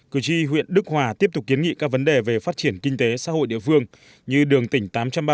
cử tri huyện đức hòa tiếp tục kiến nghị các vấn đề về phát triển kinh tế xã hội địa phương như đường tỉnh tám trăm ba mươi